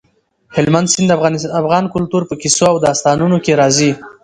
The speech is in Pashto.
هلمند سیند د افغان کلتور په کیسو او داستانونو کې راځي.